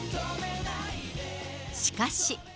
しかし。